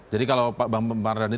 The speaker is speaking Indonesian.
jadi kalau bang amar dhani